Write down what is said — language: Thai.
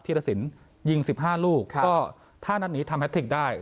ธิรสินยิงสิบห้าลูกครับก็ถ้านัดนี้ทำแฮททิกได้